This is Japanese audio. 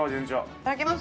いただきます。